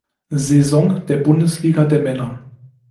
Saison der Bundesliga der Männer.